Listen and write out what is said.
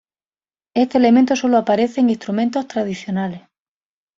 Este elemento solo aparece en instrumentos tradicionales.